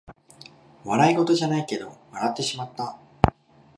笑いごとじゃないけど笑ってしまった